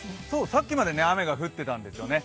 さっきまで雨が降ってたんですよね。